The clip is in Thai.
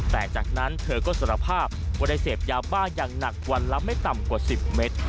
แต่จากนั้นเธอก็สารภาพว่าได้เสพยาบ้าอย่างหนักวันละไม่ต่ำกว่า๑๐เมตร